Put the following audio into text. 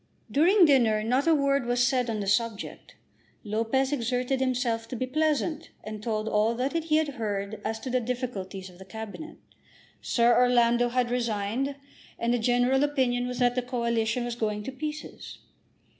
During dinner not a word was said on the subject. Lopez exerted himself to be pleasant, and told all that he had heard as to the difficulties of the Cabinet. Sir Orlando had resigned, and the general opinion was that the Coalition was going to pieces.